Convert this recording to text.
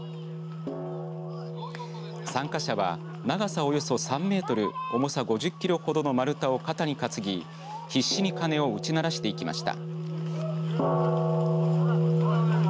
参加者は長さおよそ３メートル重さ５０キロほどの丸太を肩に担ぎ必死に鐘を打ち鳴らしていきました。